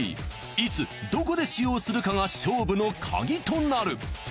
いつどこで使用するかが勝負のカギとなる。